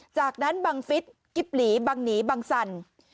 จากนั้นบังฟิศกิ๊บหลีบังหนีบังสัน